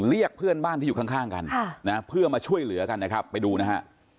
เรียกเพื่อนบ้านที่อยู่ข้างกันเพื่อมาช่วยเหลือกันนะครับไปดูนะฮะ